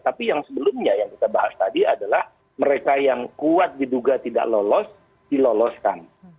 tapi yang sebelumnya yang kita bahas tadi adalah mereka yang kuat diduga tidak lolos diloloskan